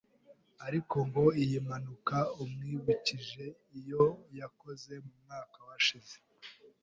ariko ngo iyi mpanuka imwibukije iyo yakoze mu mwaka washize